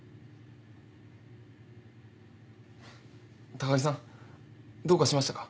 高木さんどうかしましたか？